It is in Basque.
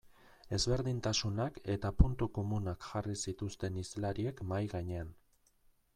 Ezberdintasunak eta puntu komunak jarri zituzten hizlariek mahai gainean.